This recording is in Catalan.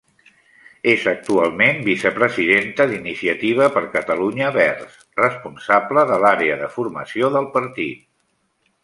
És actualment vicepresidenta d'Iniciativa per Catalunya Verds, responsable de l'àrea de Formació del partit.